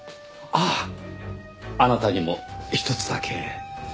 あっあなたにもひとつだけ。